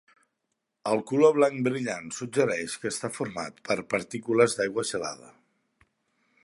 El color blanc brillant suggereix que està format per partícules d'aigua gelada.